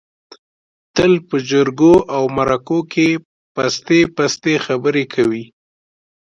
تل په جرگو او مرکو کې پستې پستې خبرې کوي.